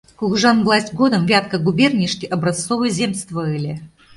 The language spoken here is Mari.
Кугыжан власть годым Вятка губернийыште образцовый земство ыле.